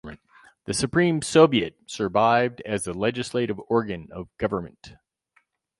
The Supreme Soviet survived as the legislative organ of government.